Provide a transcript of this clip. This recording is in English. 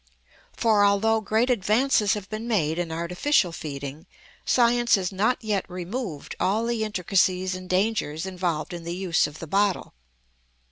For, although great advances have been made in artificial feeding, science has not yet removed all the intricacies and dangers involved in the use of the bottle.